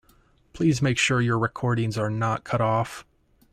Please make sure your recordings are not cut off.